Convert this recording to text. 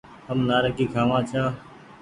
هم نآريگي کآوآن ڇآن ۔